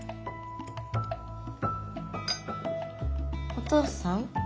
お父さん？